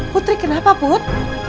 putri kenapa put